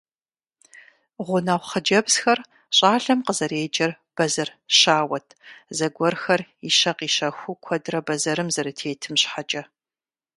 Гъунэгъу хъыджэбзхэр щӀалэм къызэреджэр бэзэр щауэт, зыгуэрхэр ищэ-къищэхуу куэдрэ бэзэрым зэрытетым щхьэкӀэ.